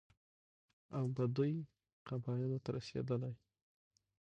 او بدوي قبايلو ته رسېدلى،